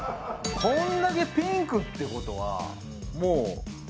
これだけピンクって事はもう。